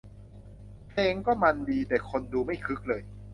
เพลงก็มันดี แต่คนดูไม่คึกเลย